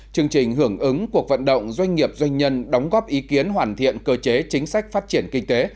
chương trình hưởng ứng cuộc vận động doanh nghiệp doanh nhân đóng góp ý kiến hoàn thiện cơ chế chính sách phát triển kinh tế